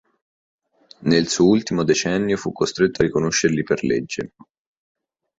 Nel suo ultimo decennio, fu costretto a riconoscerli per legge.